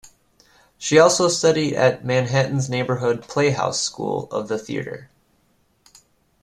She also studied at Manhattan's Neighborhood Playhouse School of the Theatre.